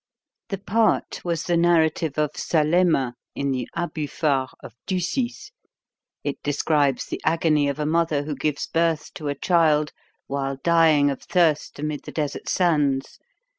The part was the narrative of Salema in the "Abufar" of Ducis. It describes the agony of a mother who gives birth to a child while dying of thirst amid the desert sands.